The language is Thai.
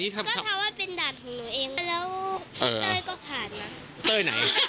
พี่เต้ย